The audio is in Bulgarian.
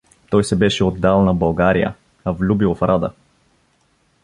Той се беше отдал на България, а влюбил в Рада.